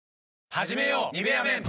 はじめよう「ニベアメン」